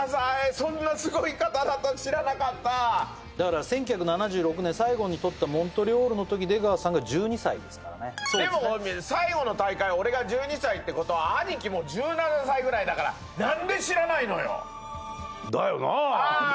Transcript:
そんなすごい方だとは知らなかっただから１９７６年最後にとったモントリオールの時出川さんが１２歳ですからねでも最後の大会俺が１２歳ってことは兄貴もう１７歳ぐらいだから何で知らないのよ！？